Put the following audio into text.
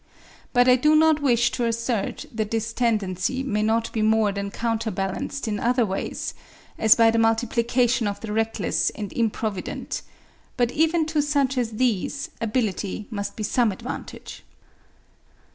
But I do not wish to assert that this tendency may not be more than counterbalanced in other ways, as by the multiplication of the reckless and improvident; but even to such as these, ability must be some advantage.